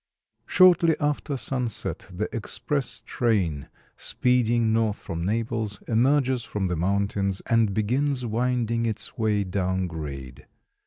Shortly after sunset the express train, speeding north from Naples, emerges from the mountains and begins winding its way down grade.